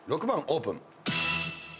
６番オープン。